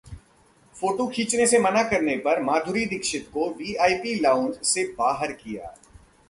photo खिंचाने से मना करने पर माधुरी दीक्षित को वीआईपी लाउंज से बाहर किया